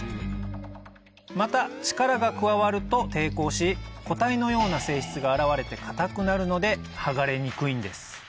また力が加わると抵抗し固体のような性質が現れて硬くなるので剥がれにくいんです